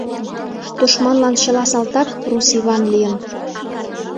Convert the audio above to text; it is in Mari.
Тушманлан чыла салтак Рус Иван лийын...